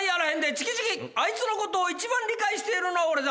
チキチキあいつのことを一番理解しているのは俺だ。